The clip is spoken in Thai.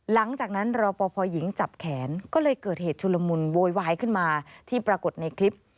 รอปภหญิงจับแขนก็เลยเกิดเหตุชุลมุนโวยวายขึ้นมาที่ปรากฏในคลิป